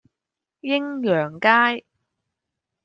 鷹揚街